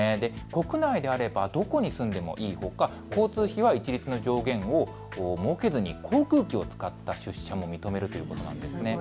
国内であればどこに住んでもいいほか交通費は一律の上限を設けずに航空機を使った出社も認めるということなんです。